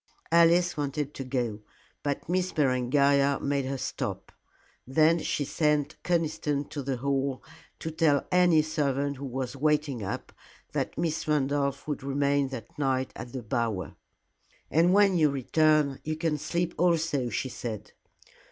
Alice wanted to go, but Miss Berengaria made her stop. Then she sent Conniston to the Hall to tell any servant who was waiting up that Miss Randolph would remain that night at the Bower. "And when you return, you can sleep also," she said.